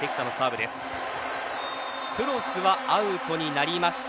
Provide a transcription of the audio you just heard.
クロスはアウトになりました。